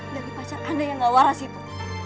dari pacar anda yang gak waras itu